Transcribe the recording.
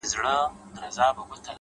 ستا د ښايستې خولې ښايستې خبري؛